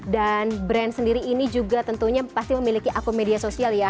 dan brand sendiri ini juga tentunya pasti memiliki akun media sosial ya